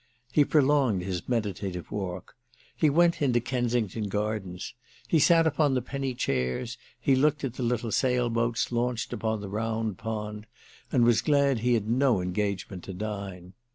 He prolonged his meditative walk; he went into Kensington Gardens, he sat upon the penny chairs, he looked at the little sail boats launched upon the round pond and was glad he had no engagement to dine.